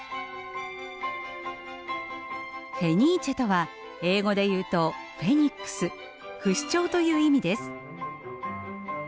フェニーチェとは英語で言うとフェニックス不死鳥という意味です。